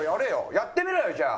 やってみろよじゃあ！